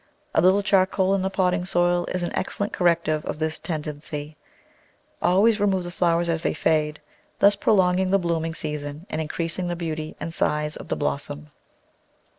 A little charcoal in the potting soil is an excellent corrective of this tendency. Al ways remove the flowers as they fade, thus prolong ing the blooming season and increasing the beauty and size of the blossom.